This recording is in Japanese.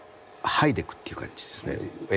剥いでいくという感じですね。